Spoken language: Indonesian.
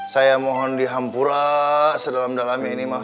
saya mohon dihampura sedalam dalami ini mah